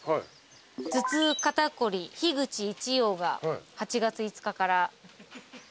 『頭痛肩こり樋口一葉』が８月５日から。